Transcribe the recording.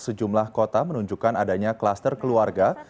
sejumlah kota menunjukkan adanya kluster keluarga